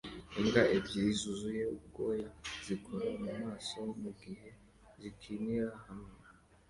Imbwa ebyiri zuzuye ubwoya zikora mumaso mugihe zikinira hamwe